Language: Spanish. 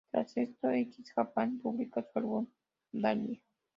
Tras esto, X Japan publica su álbum Dahlia.